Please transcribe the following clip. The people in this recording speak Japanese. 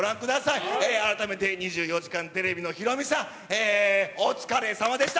改めて２４時間テレビのヒロミさん、お疲れさまでした。